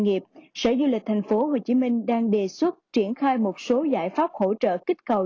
nghiệp sở du lịch thành phố hồ chí minh đang đề xuất triển khai một số giải pháp hỗ trợ kích cầu